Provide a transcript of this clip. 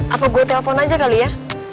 apa gue telpon aja kali ya